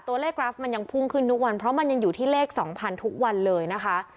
กราฟมันยังพุ่งขึ้นทุกวันเพราะมันยังอยู่ที่เลข๒๐๐ทุกวันเลยนะคะ